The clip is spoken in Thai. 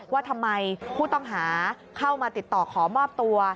ว่าทำไมผู้ต้องหาเข้ามาติดต่อขอมอบตัว